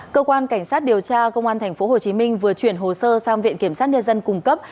cơ quan cảnh sát điều tra công an tp hcm vừa chuyển hồ sơ sang viện kiểm sát nhân dân cung cấp